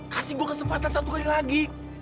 kasih gue kesempatan satu kali lagi